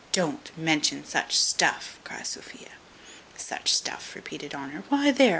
"Don't mention such stuff," cries Sophia. "Such stuff!" repeated Honour; "why, there.